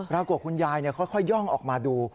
แล้วก็คุณยายเนี่ยค่อยย่องออกมาดู